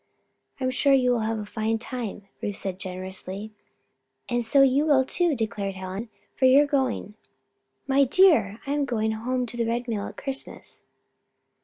"I am sure you will have a fine time," Ruth said, generously. "And so you will, too," declared Helen, "for you're going." "My dear! I am going home to the Red Mill at Christmas."